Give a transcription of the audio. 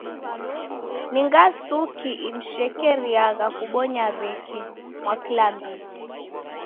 Ni ngasuki imshekeriagha kubonya w'eke mwaklambiti?